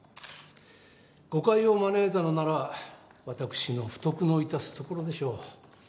誤解を招いたのなら私の不徳の致すところでしょう。